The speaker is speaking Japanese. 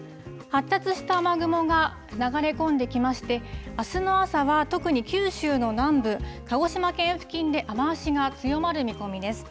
発達した雨雲が流れ込んできまして、あすの朝は特に九州の南部、鹿児島県付近で雨足が強まる見込みです。